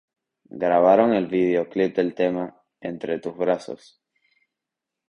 Grabaron el videoclip del tema "Entre tus brazos".